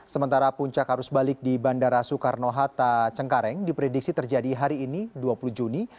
sementara puncak arus balik di bandara soekarno hatta cengkareng diprediksi terjadi hari ini dua puluh juni